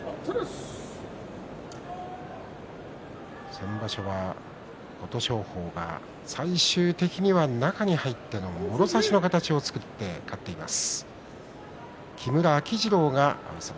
先場所は琴勝峰が最終的には中に入ってもろ差しの形を作って勝っています。